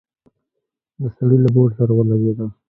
د سړي له بوټ سره ولګېده.